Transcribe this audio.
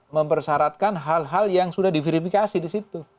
mempersyaratkan hal hal yang sudah diverifikasi di situ